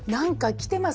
来てます？